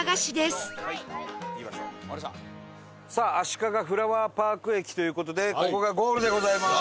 さああしかがフラワーパーク駅という事でここがゴールでございます！